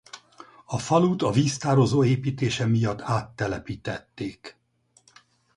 A falut a víztározó építése miatt áttelepítették.